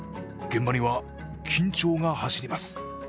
現場には緊張が走ります。